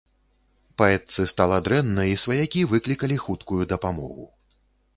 Паэтцы стала дрэнна, і сваякі выклікалі хуткую дапамогу.